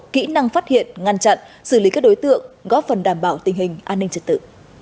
kỹ năng phát hiện ngăn chặn xử lý các đối tượng góp phần đảm bảo tình hình an ninh trật tự